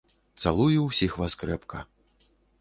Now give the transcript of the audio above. Цалую ўсіх вас крэпка.